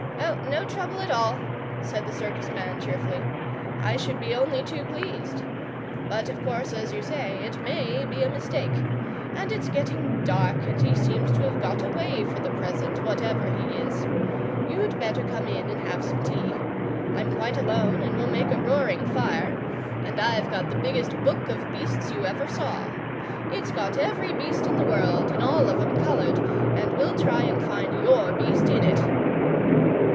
"Oh, no trouble at all," said the circus man, cheerfully. "I should be only too pleased. But of course, as you say, it MAY be a mistake. And it's getting dark, and he seems to have got away for the present, whatever he is. You'd better come in and have some tea. I'm quite alone, and we'll make a roaring fire, and I've got the biggest Book of Beasts you ever saw. It's got every beast in the world, and all of 'em coloured; and we'll try and find YOUR beast in it!"